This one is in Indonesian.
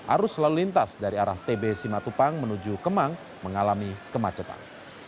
arus lalu lintas dari arah tb simatupang menuju kemang mengalami kemacetan